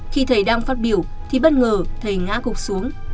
khi thầy đang phát biểu thì bất ngờ thầy ngã gục xuống